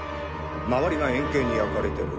周りが円形に焼かれてる。